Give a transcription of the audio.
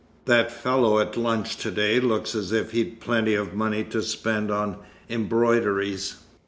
That fellow at lunch to day looks as if he'd plenty of money to spend on embroideries."